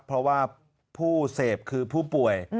เพราะว่าผู้เสพคือผู้ป่วย